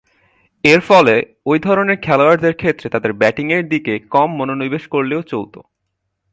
এরফলে, ঐ ধরনের খেলোয়াড়দের ক্ষেত্রে তাদের ব্যাটিংয়ের দিকে কম মনোনিবেশ করলেও চলতো।